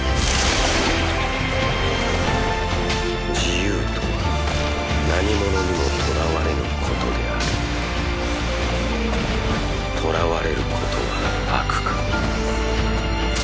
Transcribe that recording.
自由とは何物にもとらわれぬことであるとらわれることは悪か？